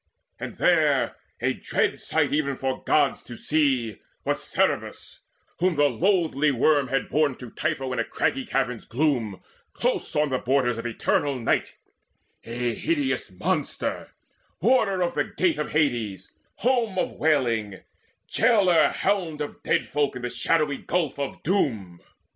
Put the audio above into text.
And there, a dread sight even for Gods to see, Was Cerberus, whom the Loathly Worm had borne To Typho in a craggy cavern's gloom Close on the borders of Eternal Night, A hideous monster, warder of the Gate Of Hades, Home of Wailing, jailer hound Of dead folk in the shadowy Gulf of Doom.